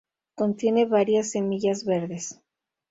Contiene varias semillas verdes.